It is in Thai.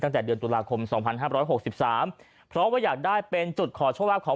ตั้งแต่เดือนตุลาคมสองพันห้าร้อยหกสิบสามเพราะว่าอยากได้เป็นจุดขอชกลาฟของ